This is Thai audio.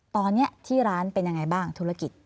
ตอนนี้ที่ร้านเป็นยังไงบ้างธุรกิจ